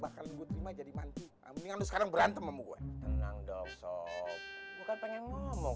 bakalan gue jadi manti sekarang berantem sama gue tenang dong sob pengen ngomong